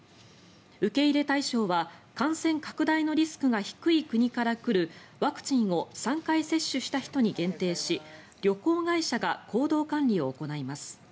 受け入れ対象は感染拡大のリスクが低い国から来るワクチンを３回接種した人に限定し旅行会社が行動管理を行います。